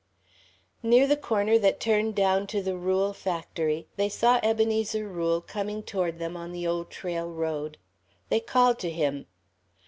Near the corner that turned down to the Rule Factory, they saw Ebenezer Rule coming toward them on the Old Trail Road. They called to him.